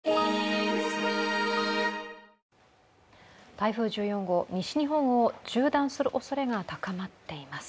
台風１４号、西日本を縦断するおそれが高まっています。